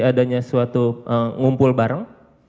adanya suatu ngumpul bareng